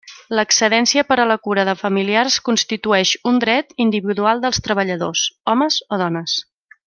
L'excedència per a la cura de familiars constitueix un dret individual dels treballadors, homes o dones.